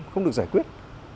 không được giải quyết